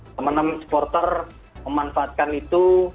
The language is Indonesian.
teman teman supporter memanfaatkan itu